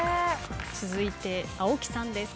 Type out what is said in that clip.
続いて青木さんです。